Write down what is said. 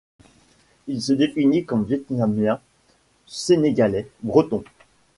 Il se définit comme Vietnamien-Sénégalais-Breton.